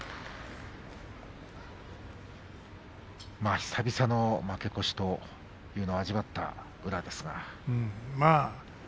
久々の負け越しというのを味わった宇良です。